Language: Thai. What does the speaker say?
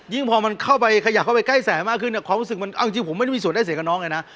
ยิ่งพอมันเข้าไปใกล้แสมากขึ้นกลับมารู้สึกว่าผมไม่มีส่วนด้ายเสียกับน้องเลย